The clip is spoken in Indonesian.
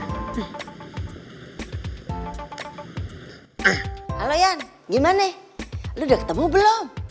halo yan gimane lu udah ketemu belum